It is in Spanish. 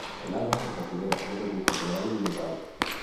El agua se considera un recurso renovable limitado.